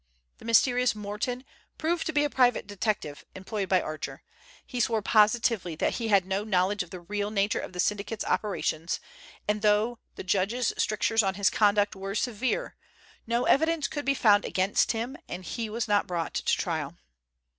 The mysterious Morton proved to be a private detective, employed by Archer. He swore positively that he had no knowledge of the real nature of the syndicate's operations, and though the judge's strictures on his conduct were severe, no evidence could be found against him, and he was not brought to trial.